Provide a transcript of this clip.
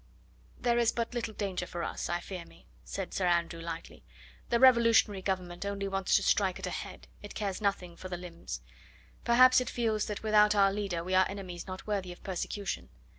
"There is but little danger for us, I fear me," said Sir Andrew lightly; "the revolutionary Government only wants to strike at a head, it cares nothing for the limbs. Perhaps it feels that without our leader we are enemies not worthy of persecution.